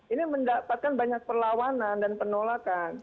ini mendapatkan banyak perlawanan dan penolakan